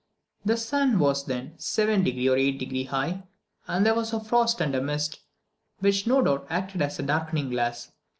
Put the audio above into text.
The sun was then 7° or 8° high, and there was a frost and a mist, which no doubt acted as a darkening glass.